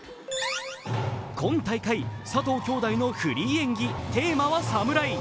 今大会、佐藤きょうだいのフリー演技、テーマはサムライ。